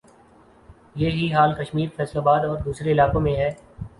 یہ ہی حال کشمیر، فیصل آباد اور دوسرے علاقوں میں ھے